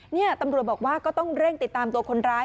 นี่ตำรวจบอกว่าก็ต้องเร่งติดตามตัวคนร้าย